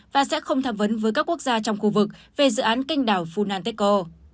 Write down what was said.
và sẽ không tham vấn với các quốc gia trong khu vực về dự án kinh đảo funanteko